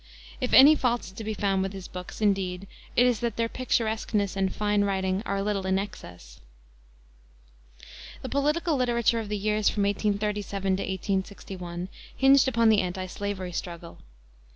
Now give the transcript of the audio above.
If any fault is to be found with his books, indeed, it is that their picturesqueness and "fine writing" are a little in excess. The political literature of the years from 1837 to 1861 hinged upon the antislavery struggle.